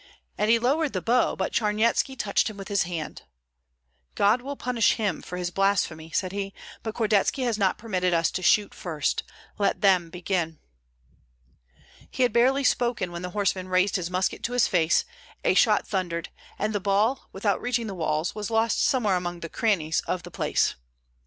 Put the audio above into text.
And he lowered the bow; but Charnyetski touched him with his hand, "God will punish him for his blasphemy," said he; "but Kordetski has not permitted us to shoot first, let them begin." He had barely spoken when the horseman raised his musket to his face; a shot thundered, and the ball, without reaching the walls, was lost somewhere among the crannies of the place.